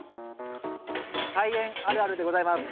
「菜園あるある」でございます。